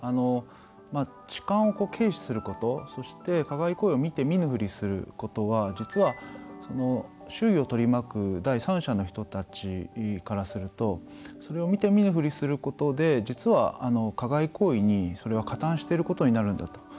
痴漢を軽視することそして、加害行為を見て見ぬふりすることは実は、周囲を取り巻く第三者の人たちからするとそれを見て見ぬふりすることで実は加害行為に加担していることになるんだと。